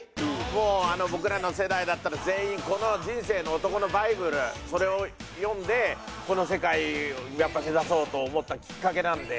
もう僕らの世代だったら全員人生の男のバイブルそれを読んでこの世界をやっぱ目指そうと思ったきっかけなんで。